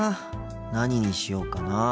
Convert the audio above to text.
何にしようかなあ。